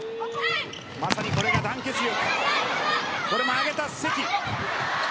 まさにこれが団結力。